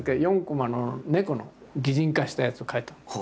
４コマの猫の擬人化したやつを描いた。